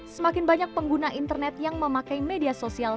semakin banyak pengguna internet yang memakai media sosial